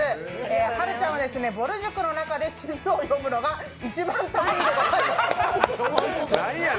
はるちゃんはぼる塾の中で地図を読むのが一番得意でございます。